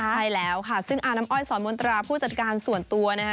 ใช่แล้วค่ะซึ่งอาน้ำอ้อยสอนมนตราผู้จัดการส่วนตัวนะคะ